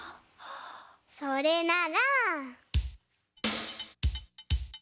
それなら。